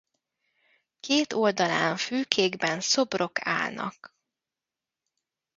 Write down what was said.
Két oldalán fülkékben szobrok állnak.